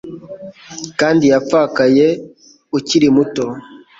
kandi ngo yapfakaye ukiri muto